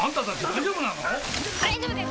大丈夫です